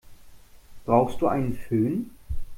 Brauchst du einen Fön?